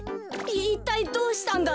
いったいどうしたんだい？